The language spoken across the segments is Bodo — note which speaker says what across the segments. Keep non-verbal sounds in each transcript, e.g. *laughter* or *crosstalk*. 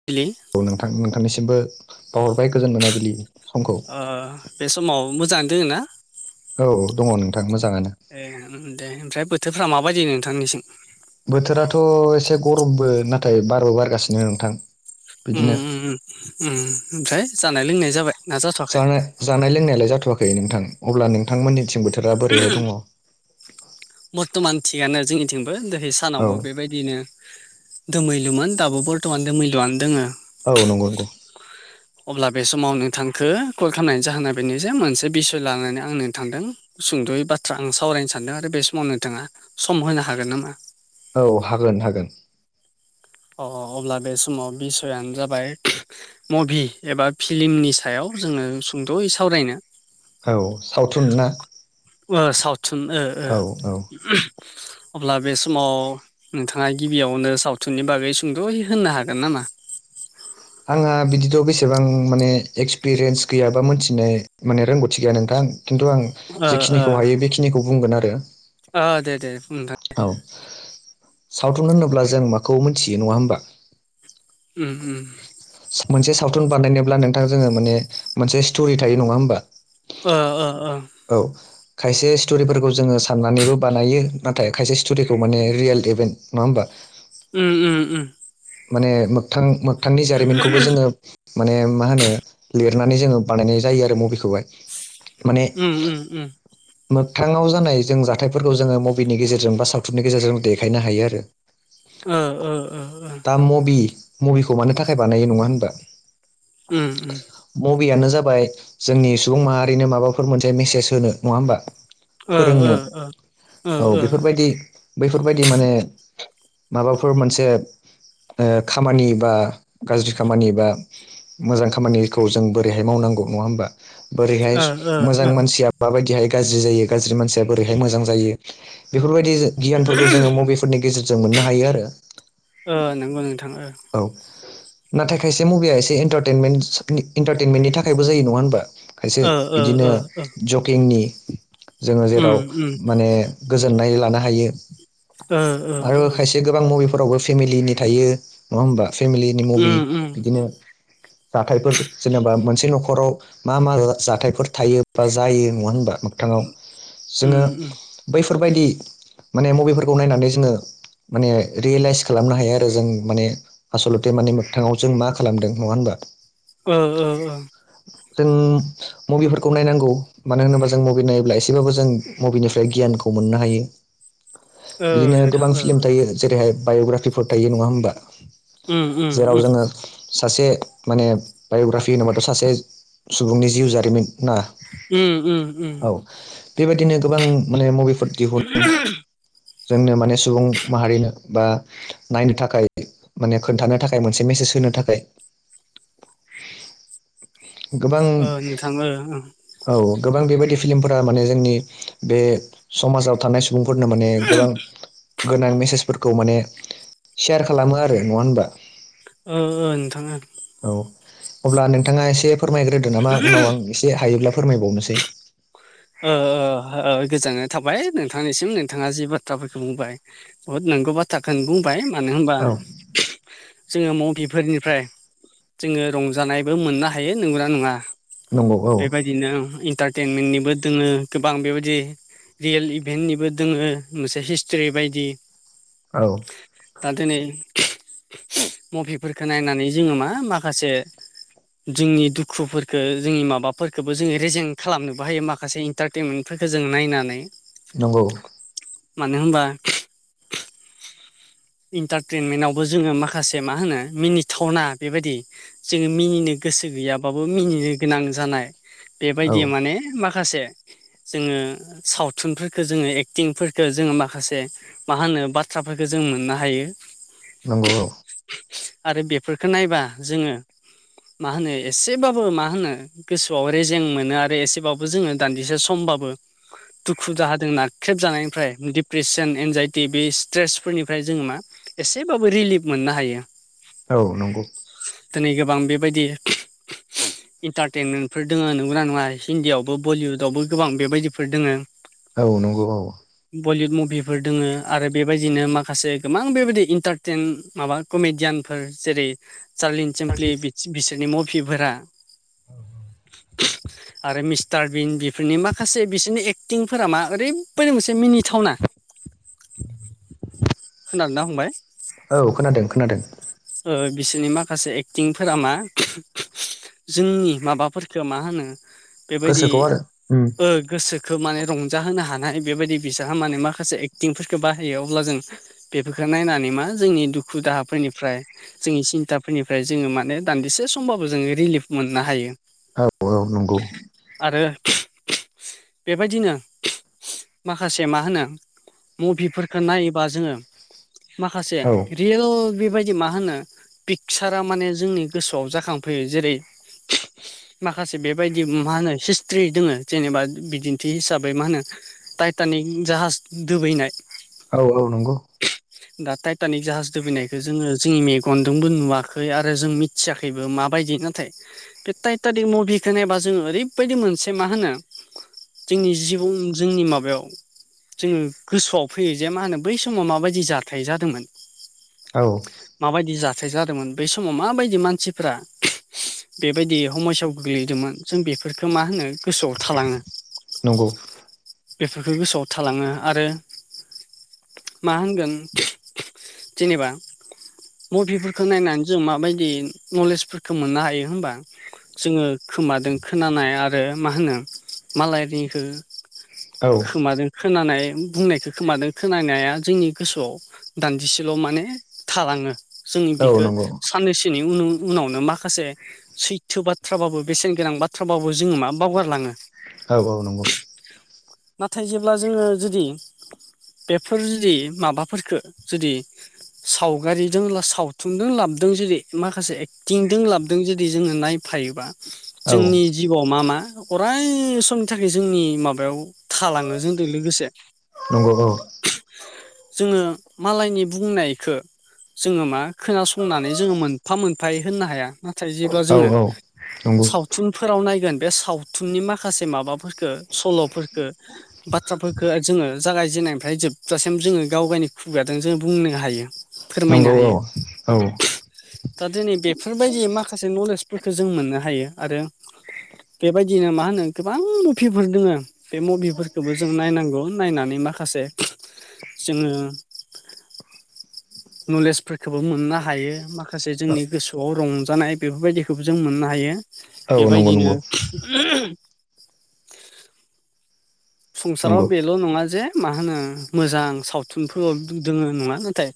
Speaker 1: *unintelligible*
Speaker 2: औ नोंथां नोंथांनिसिमबो बावहरबाय गोजोन मोनाबिलि समखौ
Speaker 1: अ बे समाव मोजाङानो दोङो ना
Speaker 2: औ दङ नोंथां मोजाङानो
Speaker 1: ए दे ओमफ्राय बोथोरफ्रा माबायदि नोंथांनिसिम
Speaker 2: बोथोराथ' एसे गरमबो नाथाय बारबो बारगासिनो नोंथां बिदिनो
Speaker 1: ओम ओमफ्राय जानाय लोंनाय जाबाय ना जाथ'वाखै?
Speaker 2: जानाय जानाय लोंनायालाय जाथ'वाखै नोंथां अब्ला नोंथांमोननिथिं बोथोरा बोरैहाय दङ
Speaker 1: बर्थ'मान थिगानो जोंनिथिंबो दोहै सानावबो बेबाय दिनो दोमैलुमोन दाबो बर्थमान दोमैलुआनो दोङो
Speaker 2: औ नंगौ नंगौ
Speaker 1: अब्ला बे समाव नोंथांखो कल खालामनायनि जाहोना बेनो जे मोनसे बिसय लानानै आं नोंथांजों सुंद'यै बाथ्रा आं सावरायनो सानदों आरो बे समाव नोंथाङा सम होनो हागोन नामा?
Speaker 2: औ हागोन हागोन
Speaker 1: अ अ अब्ला बे समाव बिसयानो जाबाय मुभि एबा फिल्मनि सायाव जोङो सुंद'यै सावरायनो
Speaker 2: औ सावथुन ना
Speaker 1: ओ सावथुन ओ ओ
Speaker 2: औ औ
Speaker 1: अब्ला बे समाव नोंथाङा गिबियावनो सावथुन नि बागै सुंद'यै होननो हागोन नामा?
Speaker 2: आंहा बिदिथ' बेसेबां माने एक्सपिरियेन्स गैयाबा मोनथिनाय माने रोंगौथि गैया नोंथां खिन्थु आं
Speaker 1: ओ ओ
Speaker 2: जेखिनिखौ हायो बेखिनिखौ बुंगोन आरो
Speaker 1: ओ दे दे नोंथां
Speaker 2: औ सावथुन होनोब्ला जों माखौ मोनथियो नङा होमबा
Speaker 1: उम उम
Speaker 2: मोनसे सावथुन बानायनोब्ला नोंथां जोङो माने मोनसे स्ट'रि थायो नङा होमबा
Speaker 1: ओ ओ ओ
Speaker 2: औ खायसे स्ट'रिफोरखौ जोङो साननानैबो बानायो नाथाय खायसे स्ट'रिखौ माने रियेल इभेन्ट नङा होमबा
Speaker 1: उम उम उम
Speaker 2: माने मोगथां मोगथांनि जारिमिनखौबो जोङो माने मा होनो लिरनानै जोङो बानायनाय जायो आरो मभिखौहाय
Speaker 1: उम उम उम
Speaker 2: मोगथाङाव जानाय जों जाथायफोरखौ जोङो मभिनि गेजेरजों बा सावथुननि गेजेरजों देखायनो हायो आरो
Speaker 1: औ औ
Speaker 2: दा मुभि मुभिखौ मानो थाखाय बानायो नङा होनबा
Speaker 1: उम उम
Speaker 2: मुभियानो जाबाय जोंनि सुबुं माहारिनो माबाफोर मोनसे मेसेज होनो नङा होमबा
Speaker 1: ओ
Speaker 2: फोरोंनो
Speaker 1: ओ
Speaker 2: औ बेफोरबायदि बैफोरबायदि माने माबाफोर मोनसे ओ खामानि बा गाज्रि खामानि बा मोजां खामानि खौ जों बोरैहाय मावनांगौ नङा होमबा बोरैहाय
Speaker 1: ओ ओ
Speaker 2: मोजां
Speaker 1: ओ
Speaker 2: मानसिआ माबायदिहाय गाज्रि जायो गाज्रि मानसिया बोरैहाय मोजां जायो बेफोरबायदि गियानफोरखौ जोङो मबे फोरनि गेजेरजों मोननो हायो आरो
Speaker 1: ओ नंगौ नोंथां ओ
Speaker 2: औ नाथाय खायसे मुभिया एसेन् इन्टारटेनमेन्टनि थाखायबो जायो नङा होनबा खायसे
Speaker 1: ओ
Speaker 2: इदिनो
Speaker 1: ओ ओ
Speaker 2: जगिंनि जोङो
Speaker 1: उम
Speaker 2: जेराव
Speaker 1: उम
Speaker 2: माने गोजोननाय लानो हायो
Speaker 1: ओ ओ
Speaker 2: आरो
Speaker 1: ओ
Speaker 2: खायसे गोबां मुभिफोरावबो फेमिलिनि थायो नङा होमबा फेमिलिनि मुभि
Speaker 1: उम उम
Speaker 2: बिदिनो जाथायफोर जेनेबा मोनसे न'खराव मा मा जाथायफोर थायो बा जायो नङा होनबा मोगथाङाव
Speaker 1: उम
Speaker 2: जोङो
Speaker 1: उम
Speaker 2: बैफोरबायादि माने मुभिफोरखौ नायनानै जोङो माने रियेलाइस खालामनो हायो आरो जों माने आसलथे माने मोगथाङाव जों मा खालामदों नङा होमबा
Speaker 1: ओ ओ ओ
Speaker 2: जों मुभिफोरखौ नायनांगौ मानो होनोबा जों मुभि नायोब्ला एसेबाबो जों मुभिनिफ्राय गियानखौ मोननो हायो
Speaker 1: ओ
Speaker 2: बिदिनो
Speaker 1: नोंथां
Speaker 2: गोबां
Speaker 1: ओ
Speaker 2: फिल्म
Speaker 1: ओ
Speaker 2: थायो जेरैहाय बाय'ग्रापिफोर थायो नङा होमबा
Speaker 1: उम उम
Speaker 2: जेराव
Speaker 1: उम
Speaker 2: जोङो सासे माने बाय'ग्राफि होनबाथ' सासे सुबुंनि जिउ जारिमिन ना
Speaker 1: उम उम उम
Speaker 2: औ बेबायदिनो गोबां माने मुभिफोर दिहुनो जोंनो माने सुबुं माहारिनो बा नायनो थाखाय माने खोन्थानो थाखाय मोनसे मेसेज होनो थाखाय गोबां
Speaker 1: ओ नोंथां ओ
Speaker 2: औ गोबां बेबायदि फिलिमफोरा माने जोंनि बे समाजाव थानाय सम सुबुंफोरनो माने गोबां गोनां मेसेजफोरखौ माने सेयार खालामो आरो नङा होनबा
Speaker 1: ओ ओ नोंथाङा
Speaker 2: औ अब्ला नोंथाङा एसे फोरमायग्रोदो नामा उनाव आं एसे हायोब्ला फोरमायबावनोसै
Speaker 1: ओ ओ ओ गोजोननाय थाबाय नोंथांनिसिम नोंथाङा जि बाथ्राफोरखौ बुंबाय बुहुद नंगौ बाथ्राखौनो बुंबाय मानो होनबा
Speaker 2: औ
Speaker 1: जोङो मभिफोरनिफ्राय जोङो रंजानायबो मोननो हायो नंगौना नङा
Speaker 2: नंगौ औ
Speaker 1: बिदिनो इन्टारटेनमेन्टनिबो दङो गोबां बेबादि रियेल इभेन्टनिबो दोङो मोनसे हिस्टिरि बादि
Speaker 2: औ
Speaker 1: दा दिनै उम मभिफोरखौ नायनानै जोङो मा माखासे जोंनि दुखुफोरखो जोंनि माबाफोरखोबो जोङो रेजें खालामनोबो हायो माखौ माखासे इन्टारटेमेन्टफोरखौ जों नायनानै
Speaker 2: नंगौ
Speaker 1: मानो होमबा
Speaker 2: *inaudible*
Speaker 1: इन्टारटेनमेन्टावबो जोङो माखासे मा होनो मिनिथावना बिबादि जोङो मिनिनो गोसो गैयाबाबो मिनिनो गोनां जानाय बेबायदि
Speaker 2: औ
Speaker 1: माने माखासे माखासे जोङो सावथुनफोरखौ जोङो एक्टिंफोरखो जोङो माखासे मा होनो बाथ्राफोरखो जों मोननो हायो
Speaker 2: नंगौ औ
Speaker 1: आरो बेफोरखौ नायबा जोङो मा होनो एसेबाबो मा होनो गोसोआव रेजें मोनो आरो एसेबाबो जोङो दान्दिसे समबाबो दुखु जाहाजों नाख्रेब जानायनिफ्राय डिप्रेसन एनजाइटि बे स्ट्रेसफोरनिफ्राय जोङो मा एसेबाबो रिलिब मोननो हायो
Speaker 2: औ नंगौ
Speaker 1: दिनै गोबां बेबायदि उम उम इन्टारटेनमेन्टफोर दङो नंगौना नङा हिन्दीआव बो बलिउदआवबो गोबां बेबादिफोर दोङो
Speaker 2: औ नंगौ औ
Speaker 1: बलिउड मुभिफोर दङो आरो बेबादिनो माखासे गोबां बेबायदि इन्टारटेन माबा कमेडियानफोर जेरै सार्लिन चेमप्लि बिसोरनि मभिफोरा आरो मिस्टार बिन बेफोरनि माखासे बिसिनि एक्टिंफोरा मा ओरैबायदि मोनसे मिनि थावना
Speaker 2: औ खोनादों खोनादों
Speaker 1: बिसोरनि माखासे एक्टिंफोरा मा उम जोंनि माबाफोरखौ मा होनो बेबादि
Speaker 2: गोसोखौ आरो उम
Speaker 1: ओ गोसो खौ माने रंजाहोनो हानाय बेबादि बिसोरहा माने माखासे एक्टिंफोरखौ बाहायो अब्ला जों बेफोरखौ नायनानै मा जोंनि दुखु दाहाफोरनिफ्राय जोंनि सिन्थाफोरनिफ्राय जोङो माने दान्दिसे समबाबो जोङो रिलिफ मोननो हायो
Speaker 2: औ औ नंगौ
Speaker 1: आरो *unintelligible* बेबायदिनो *unintelligible* माखासे मा होनो मुभिफोरखो नायोबा जोङो माखासे
Speaker 2: औ
Speaker 1: रियेल बेबायदि मा होनो पिकचारा माने जोंनि गोसोआव जाखांफैयो जेरै माखासे बेबायदि मा होनो हिस्ट्रि दोङो जेनेबा बिदिन्थि हिसाबै मा होनो टाइटानिक जाहाज दुबैनाय
Speaker 2: औ औ नंगौ
Speaker 1: दा टाइटानिक जाहाज दुबिनायखौ जोङो जोंनि मेगनजोंबो नुवाखै आरो जों मि मिथिआखैबो माबादि नाथाय बे टाइटानिक मुभिखौ नायबा जोङो ओरै ओरै बायदि मोनसे मा होनो जोंनि जिबन जोंनि माबायाव जोङो गोसोआव फैयो जे मा होनो बै समाव माबादि जाथाय जादोंमोन
Speaker 2: औ
Speaker 1: मा बादि जाथाय जादोंमोन बै समाव माबायदि मानसिफ्रा बेबायदि हमयसायाव गोग्लैदोंमोन जों बे बेखो मा होनो गोसोआव थालाङो
Speaker 2: नंगौ
Speaker 1: बेफोरखौ गोसोआव थालाङो आरो मा होनगोन *unintelligible* जेनेबा मुभिफोरखौ नायनानै जों माबायदि नलेजफोरखौ मोननो हायो होनबा जोङो खोमादों खोनानाय आरो मा होनो मालायनिखो
Speaker 2: औ
Speaker 1: खोमादों खोनानाय बुंनायखौ खोमादों खोनानाया जोंनि गोसोआव दान्दिसेल' माने थालाङो जोंनि
Speaker 2: औ
Speaker 1: बेखो
Speaker 2: नंगौ
Speaker 1: साननैसोनि उन-उनावनो माखासे सैथो बाथ्राबाबो बेसेन गोनां बा थ्राबाबो जोङो मा बावगारलाङो।
Speaker 2: औ औ नंगौ
Speaker 1: नाथाय जेब्ला जोङो जुदि बेफोर जुदि माबाफोरफोरखो जुदि सावगारिजों सावथुनजों लाबदों जेरै माखासे एक्टिंजों लाबदों जेरै जोङो नाय फायोबा
Speaker 2: औ
Speaker 1: जोंनि जिउआव मा मा अराय समनि थाखाय जोंनि माबायाव थालाङो *unintelligible* जोनदो लोगोसे
Speaker 2: नंगौ औ
Speaker 1: जोङो मालायनि बुंनायखो जोङो मा खोनासंनानै जोङो मोनफा मोनफायै होननो हाया। नाथाय जेब्ला
Speaker 2: औ
Speaker 1: जोङो
Speaker 2: नंगौ नंगौ
Speaker 1: सावथुनफोराव नायगोन बे सावथुननि माखासे माबाफोर सल'फोरखो बाथ्राफोरखो जोङो जागायजेननायनिफ्राय जोबजासिम जोङो गाव गायनि खुगाजों जों बुंनो हायो। फोरमायनो
Speaker 2: औ
Speaker 1: हायो। दा दिनै बेफोरबायदि माखासे नलेजफोरखो जों मोननो हायो। आरो बेबायदिनो मा होनो गोबां मुभिफोर दोङो बे मुभिफोरखोबो जों नायनांगौ नायनानै माखासे जोङो नलेजफोरखौबो मोननो हायो माखा माखासे जोंनि गोसोआव रंजानाय बेफोरबायदिखोबो जों मोननो हायो।
Speaker 2: औ नंगौ
Speaker 1: बेबायदिनो
Speaker 2: नंगौ
Speaker 1: *unintelligible* संसाराव
Speaker 2: नंगौ
Speaker 1: बेल' नङा जे मा होनो मोजां सावथुनफोर दोङो नङा नाथाय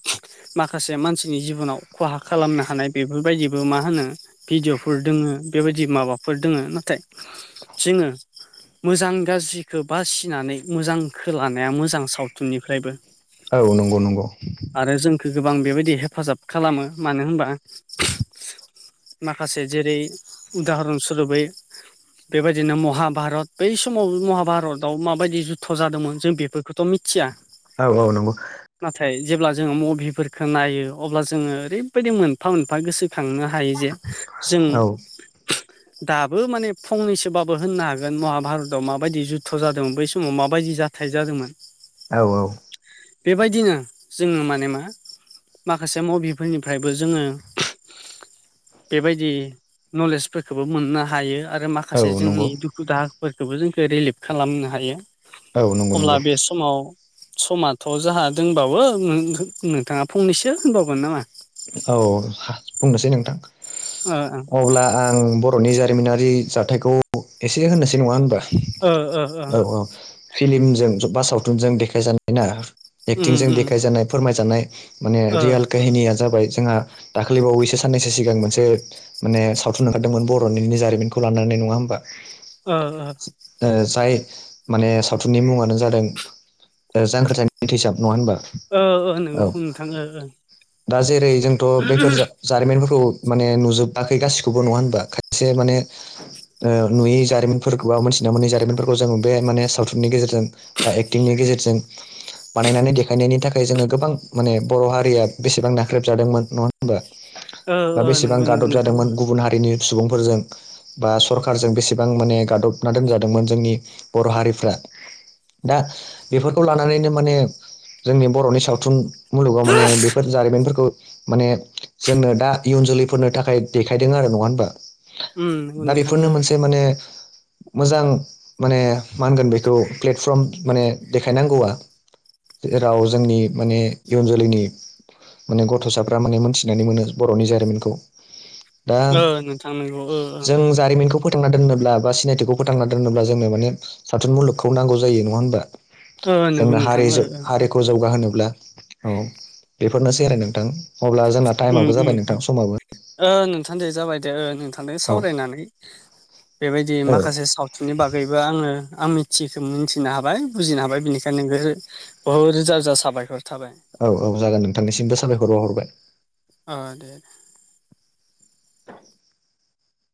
Speaker 1: माखासे मानसिनि जिबनाव खहा खालामनो हानाय बेफोरबायदिबो मा होनो भिदिअफोर दोङो बेबायदि माबाफोर दोङो नाथाय जोङो मोजां गाज्रिखो बासिनानै मोजांखो लानाया मोजां सावथुननिफ्रायबो।
Speaker 2: औ नंगौ नंगौ।
Speaker 1: आरो जोंखौ गोबां बेबायदि हेफाजाब खालामो मानो होनबा माखासे जेरै उदाहरन सुरुबै बेबायदिनो महाभारत बै समाव महाभारत भारताव माबायदि जुध जादोंमोन जों बेफोरखौथ' मिथिया।
Speaker 2: औ औ नंगौ।
Speaker 1: नाथाय जेब्ला जोङो मुभिफोरखौ नायो अब्ला जोङो ओरैबायदि मोनफा मोनफा गोसोखांनो हा हायो जे जों
Speaker 2: औ
Speaker 1: दाबो माने फंनैसोबाबो होननो हागोन महाभारतआव माबायदि जु थ' जादों बै समाव माबायदि जाथाय जादोंमोन
Speaker 2: औ औ
Speaker 1: बेबायदिनो जोङो माने मा? माखासे मुभिफोरनिफ्रायबो जोङो बेबायदि नलेजफोरखोबो मोननो हायो आरो माखा माखासे
Speaker 2: औ
Speaker 1: जोंनि
Speaker 2: नंगौ
Speaker 1: दुखु दाहाफोरखोबो जोंखो रिलिभ खालामनो हायो
Speaker 2: औ नंगौ
Speaker 1: अब्ला
Speaker 2: नंगौ
Speaker 1: बे समाव समाथ' जाहा दंबावो नोंथाङा फंनैसो होनबावगोन नामा?
Speaker 2: औ बुंनोसै नोंथां।
Speaker 1: *unintelligible*
Speaker 2: अब्ला आं बर'नि जारिमिनारि जाथायखौ एसे होनोसै नङा होनबा?
Speaker 1: ओ ओ
Speaker 2: औ औ फिलमजों बा सावथुनजों देखायजानाय ना
Speaker 1: उम
Speaker 2: एक्टिंजों
Speaker 1: उम
Speaker 2: देखायजानाय फोरमायजानाय माने
Speaker 1: ओ
Speaker 2: रियेल काहिनिया *unintelligible* जोंहा दाखाै बावैसो साननैसो सिगां मोनसे माने सावथुन ओंखारदोंमोन बर'नि जारिमिनखौ लानानै नङा होमबा?
Speaker 1: ओ ओ।
Speaker 2: जाय माने सावथुननि मुङानो जादों जांख्रिथाय थैसाम नङा होनबा?
Speaker 1: ओ ओ
Speaker 2: औ
Speaker 1: नोंगौ नोंथां ओ
Speaker 2: दा जेरै जोंथ' बेफोर जा जारिमिनफोरखौ माने नुजोबाखै गासिखौबो नङा होनबा? खायसे माने ओ नुयि जारिमिनफोरखौ बा मोनथिना मोनै जारिमिनफोरखौ जों बे माने सावथुननि गेजेरजों बा एक्टिंनि गेजेर जों बानायनानै देखायनायनि थाखाय जोङो गोबां माने बर' हारिया बेसेबां नाख्रेबजादोंमोन *unintelligible* होनबा
Speaker 1: ओ
Speaker 2: बा
Speaker 1: ओ
Speaker 2: बेसेबां
Speaker 1: नंगौ नंगौ
Speaker 2: गादब
Speaker 1: नोंथां ओ
Speaker 2: जादोंमोन गुबुन हारिनि सु बा सरखारारजों बेसेबां माने गादबना दोनजादोंमोन जोंनि बर' हारिफ्रा दा बेफोरखौ लानानैनो माने जोंनि बर'नि सावथुन मुलुगाव माने बेफोर
Speaker 1: उम
Speaker 2: जारिमिन *unintelligible* माने जोंनो दा इयुन जोलैफोरनो थाखाय देखायदों आरो नङा होमबा?
Speaker 1: नंगौ
Speaker 2: दा
Speaker 1: नोंथां
Speaker 2: बेफोरनो
Speaker 1: ओ
Speaker 2: मोनसे माने मोजां माने मा होनगोन बेखौ प्लेटफर्म माने देखायनांगौआ जेराव जोंनि माने इयुन जोलैनि माने गथ'साफ्रा माने मोनथिनानै मोनो बर'नि जारिमिनखौ। दा
Speaker 1: ओ नोंथां नंगौ ओ ओ
Speaker 2: जों जारिमिखौ फोथांना दोनोब्ला बा सिनायथिखौ फोथांना दोनोब्ला जोंनो माने साथुन मुलुगखौ नांगौ जायो नङा होमबा?
Speaker 1: ओ नंगौ
Speaker 2: जोंना
Speaker 1: नोंथां
Speaker 2: हारि
Speaker 1: ओ
Speaker 2: जो
Speaker 1: ओ ओ
Speaker 2: हारिखौ जौ *unintelligible* होनोब्ला
Speaker 1: उम उम उम
Speaker 2: औ
Speaker 1: ओ नोंथां दे जाबाय दे ओ नोंथांजों
Speaker 2: औ
Speaker 1: सावरायनानै बेबायदि
Speaker 2: औ
Speaker 1: माखासे साव थुननि बागैबो आङो आं मिथियिखो मिथिनो हाबाय बुजिनो हाबाय बिनिखायनो नोंगो बहुत रोजा रोजा साबायखर थाबाय।
Speaker 2: औ औ जागोन नोंथांनिसिमबो साबायखर बावहरबाय।
Speaker 1: ओ दे।
Speaker 2: *inaudible*